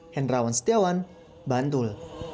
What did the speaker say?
henrawan setiawan bantul